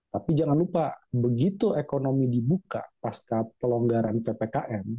tapi jangan lupa begitu ekonomi dibuka pasca pelonggaran ppkm